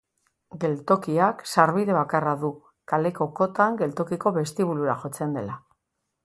Geltokiak sarbide bakarra du, kaleko kotan geltokiko bestibulura jotzen dela.